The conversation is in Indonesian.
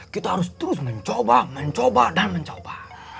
kita harus terus mencoba mencoba dan mencoba